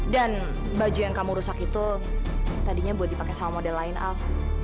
dan baju yang kamu rusak itu tadinya buat dipakai sama model lain al